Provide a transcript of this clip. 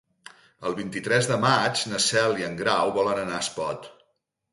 El vint-i-tres de maig na Cel i en Grau volen anar a Espot.